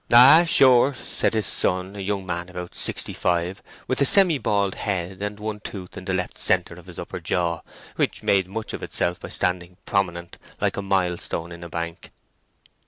"Ay, sure," said his son, a young man about sixty five, with a semi bald head and one tooth in the left centre of his upper jaw, which made much of itself by standing prominent, like a milestone in a bank.